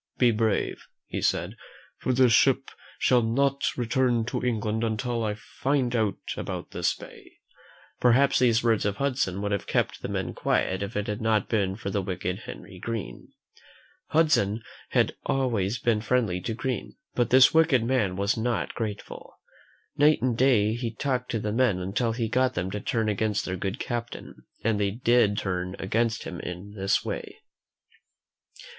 "Be brave," he said, "for this ship shall not return to England until I find out about this bay." Perhaps these words of Hudson would have kept the men quiet if it had it); ^■y 125 r THE MEN "E\KicjKjsn^ r WHO FOUND AMERICA —.^ «J not been for the wicked Henry Green. Hudson had always been friendly to Green, but this wicked man was not grateful. Night and day he talked to the men until he got them to turn against their good captain. And they c/id turn against him in this way.